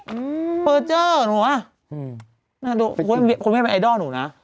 อืมเปอร์เจอร์หนูว่าน่าดูคนไว้เป็นไอดอลหนูนะ